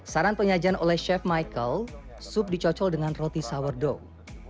saran penyajian oleh chef michael sup dicocol dengan roti suwerdog